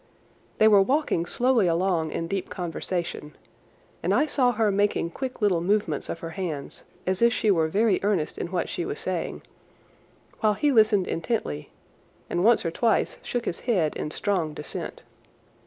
They were walking slowly along in deep conversation, and I saw her making quick little movements of her hands as if she were very earnest in what she was saying, while he listened intently, and once or twice shook his head in strong dissent.